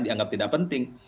dianggap tidak penting